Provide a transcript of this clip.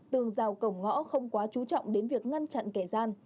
tường rào cổng ngõ không quá chú trọng đến việc ngăn chặn kẻ gian